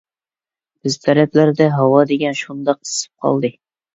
بىز تەرەپلەردە ھاۋا دېگەن شۇنداق ئىسسىپ قالدى.